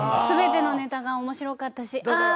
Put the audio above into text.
全てのネタが面白かったしあ